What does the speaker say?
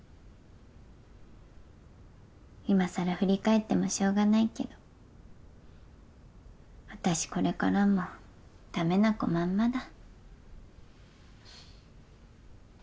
いまさら振り返ってもしょうがないけど私これからも駄目な子まんまだ。